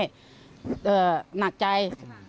ต่อแล้วหนักใจ